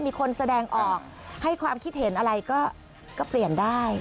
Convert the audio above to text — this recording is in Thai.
มีคนแสดงออกให้ความคิดเห็นอะไรก็เปลี่ยนได้